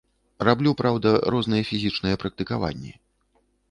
Раблю, праўда, розныя фізічныя практыкаванні.